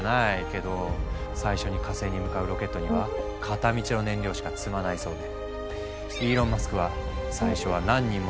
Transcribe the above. けど最初に火星に向かうロケットには片道の燃料しか積まないそうでイーロン・マスクはと言ってて。